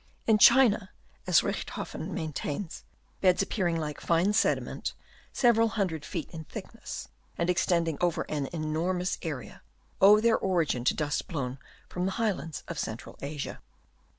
In China, as Richthofen maintains, beds appearing like fine sediment, several hundred feet in thickness and extend ing over an enormous area, owe their origin to dust blown from the high lands of central Asia.